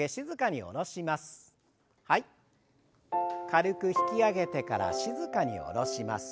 軽く引き上げてから静かに下ろします。